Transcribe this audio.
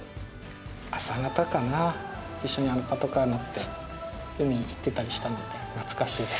朝方かな一緒にパトカー乗って海行ってたりしたので懐かしいです。